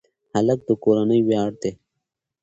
هلک د کورنۍ ویاړ دی.